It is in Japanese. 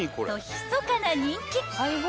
ひそかな人気］